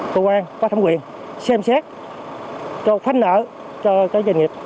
cơ quan phát thẩm quyền xem xét cho thanh nợ cho doanh nghiệp